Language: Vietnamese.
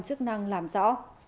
chức năng làm rõ